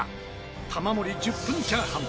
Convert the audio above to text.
玉森１０分チャーハン